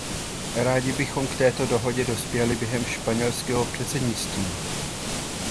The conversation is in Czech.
Rádi bychom k této dohodě dospěli během španělského předsednictví.